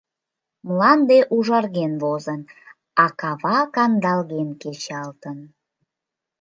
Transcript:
Мланде ужарген возын, а кава кандалген кечалтын.